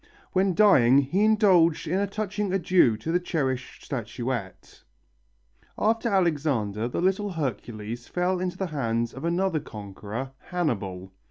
When dying he indulged in a touching adieu to the cherished statuette. After Alexander, the little Hercules fell into the hands of another conqueror, Hannibal.